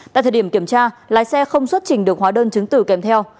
tại thời điểm kiểm tra lái xe không xuất trình được hóa đơn chứng tử kèm theo